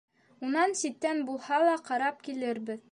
Унан ситтән булһа ла ҡарап килербеҙ...